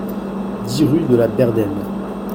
dix rue de la Bernède